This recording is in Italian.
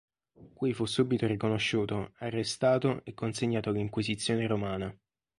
Qui fu subito riconosciuto, arrestato e consegnato all'Inquisizione romana.